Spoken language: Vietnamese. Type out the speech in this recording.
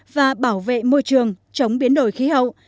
và bảo vệ môi trường chống biến đổi khí hậu